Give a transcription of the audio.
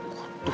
gue tuh kantes